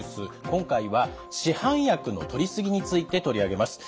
今回は市販薬のとりすぎについて取り上げます。